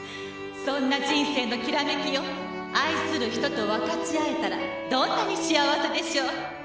「そんな人生のキラメキを愛する人と分かち合えたらどんなに幸せでしょう」